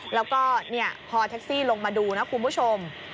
แล้วก็พอแท็กซี่ลงมาดูนะคุณผู้ชม